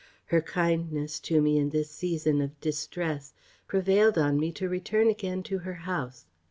"Her kindness to me in this season of distress prevailed on me to return again to her house.